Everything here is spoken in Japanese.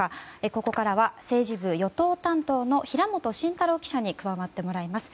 ここからは政治部与党担当の平元真太郎記者に加わってもらいます。